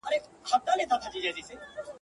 په يوه تاخته يې پى كړله مزلونه!